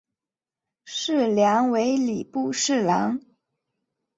事梁为礼部侍郎。